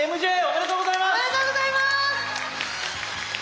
おめでとうございます！